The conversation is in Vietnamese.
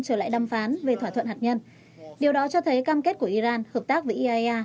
trở lại đàm phán về thỏa thuận hạt nhân điều đó cho thấy cam kết của iran hợp tác với iaea